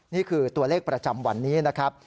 นี่คือตัวเลขประจำวันนี้นะครับ